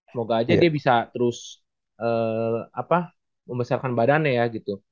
semoga aja dia bisa terus eee apa membesarkan badan nya ya gitu